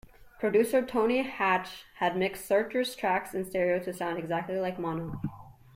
Producer Tony Hatch had mixed Searchers' tracks in stereo to sound exactly like mono.